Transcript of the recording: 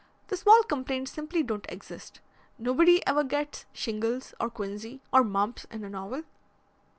The small complaints simply don't exist. Nobody ever gets shingles or quinsy, or mumps in a novel.